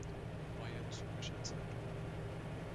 Neue Züricher Zeitung